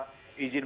kemudian ada izin